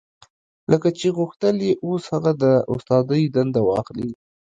لکه چې غوښتل يې اوس هغه د استادۍ دنده واخلي.